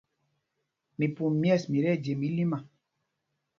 Mipum myɛ̂ɛs, mi tí ɛjem ílima.